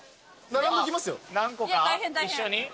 何個か一緒に？